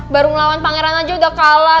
baru melawan pangeran aja udah kalah